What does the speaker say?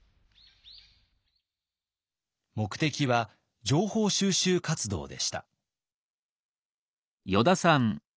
目的は情報収集活動でした。